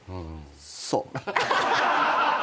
そう。